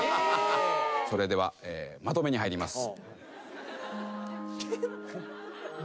それではまとめに入ります。